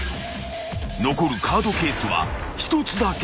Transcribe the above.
［残るカードケースは一つだけ］